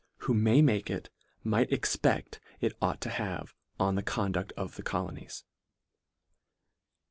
62 LETTER VI. it, might expecl it ought to have on the conduct of the colonies.